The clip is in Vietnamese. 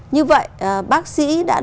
như vậy bác sĩ đã được